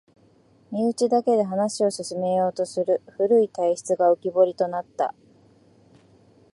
身内だけで話を進めようとする古い体質が浮きぼりとなった